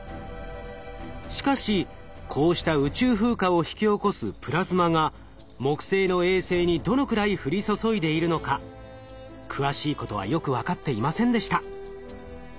しかしこうした宇宙風化を引き起こすプラズマが木星の衛星にどのくらい降り注いでいるのか詳しいことはよく分かっていませんでした。